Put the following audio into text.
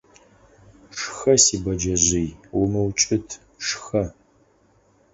Шхэ, си бэджэжъый, умыукӀыт, шхэ!